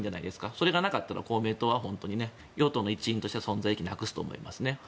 それがなかったら、公明党は本当に与党の一員として存在意義をなくすと思いますね。